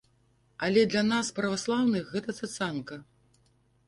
Але для нас, праваслаўных, гэта цацанка.